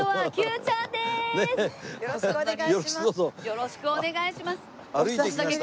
よろしくお願いします。